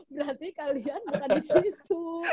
berarti kalian bukan disitu